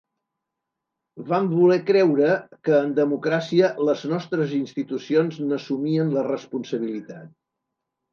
Vam voler creure que en democràcia ‘les nostres institucions’ n’assumien la responsabilitat.